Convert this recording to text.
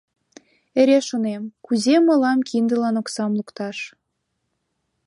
— Эре шонем — кузе мылам киндылан оксам лукташ...